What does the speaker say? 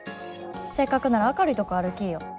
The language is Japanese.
せっかくなら明るいとこ歩きいよ。